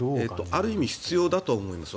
ある意味必要だと思います。